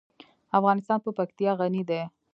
افغانستان په پکتیا غني دی.